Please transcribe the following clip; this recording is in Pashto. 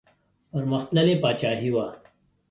پرمختللې پاچاهي وه.